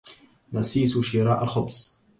نسيتُ شراء الخبز.